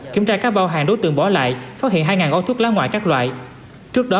kiểm tra các bao hàng đối tượng bỏ lại phát hiện hai gói thuốc lá ngoại các loại trước đó